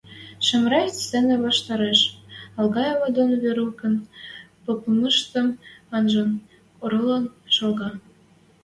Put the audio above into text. Шамрай сцена ваштареш, Алгаева дон Верукын попымыштым анжен, оролен шалга.